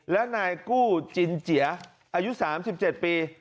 และนายกู้จินเจียอายุ๓๗ปี